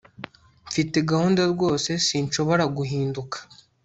mfite gahunda rwose sinshobora guhinduka